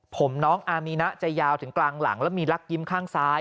ผมน้องอามีนะจะยาวถึงกลางหลังแล้วมีลักยิ้มข้างซ้าย